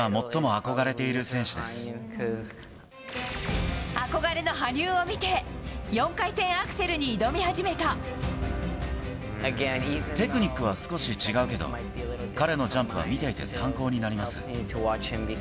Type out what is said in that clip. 憧れの羽生を見て、４回転アテクニックは少し違うけど、彼のジャンプは見ていて参考になります。